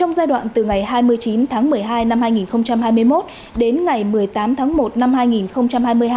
trong giai đoạn từ ngày hai mươi chín tháng một mươi hai năm hai nghìn hai mươi một đến ngày một mươi tám tháng một năm hai nghìn hai mươi hai